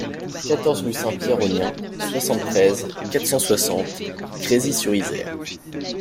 quatorze rue Saint-Pierre Aux Liens, soixante-treize, quatre cent soixante, Grésy-sur-Isère